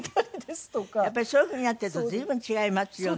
やっぱりそういうふうになっていると随分違いますよね。